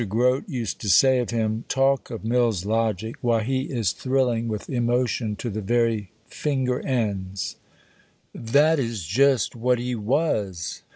Grote used to say of him "Talk of Mill's Logic! why he is thrilling with emotion to the very finger ends." That is just what he was.